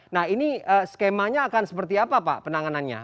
nah ini skemanya akan seperti apa pak penanganannya